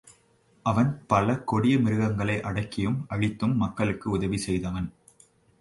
அவன் பல கொடிய மிருகங்களை அடக்கியும், அழித்தும் மக்களுக்கு உதவி செய்தவன்.